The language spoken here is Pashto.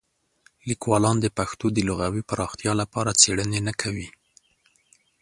لیکوالان د پښتو د لغوي پراختیا لپاره څېړنې نه کوي.